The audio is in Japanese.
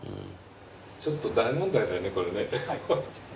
ちょっと大問題だよねこれね。